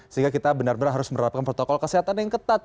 sehingga kita benar benar harus menerapkan protokol kesehatan yang ketat